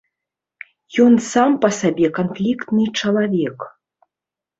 Ён сам па сабе канфліктны чалавек.